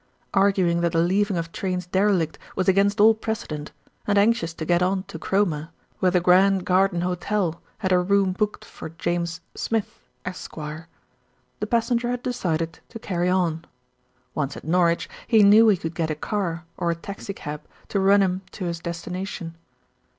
Arguing that the leaving of trains derelict was against all precedent, and anxious to get on to Cromer, where the Grand Garden Hotel had a room booked for "James Smith, Esq.," the passenger had decided to carry on. Once at Norwich, he knew he could get a car, or a taxicab, to run him to his destination.